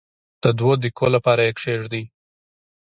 د دوو دقیقو لپاره یې کښېږدئ.